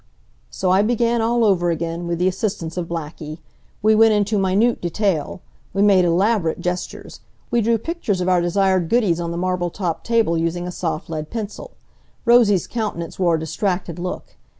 So I began all over again, with the assistance of Blackie. We went into minute detail. We made elaborate gestures. We drew pictures of our desired goodies on the marble topped table, using a soft lead pencil. Rosie's countenance wore a distracted look.